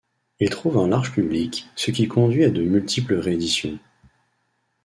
Il trouve un large public, ce qui conduit à de multiples rééditions.